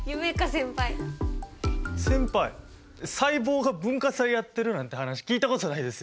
先輩細胞が文化祭やってるなんて話聞いたことないですよ。